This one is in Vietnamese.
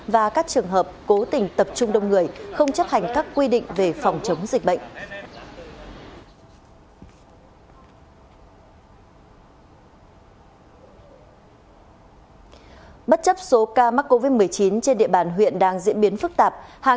và các trường hợp cố tình tập trung đông người không chấp hành các quy định về phòng chống dịch bệnh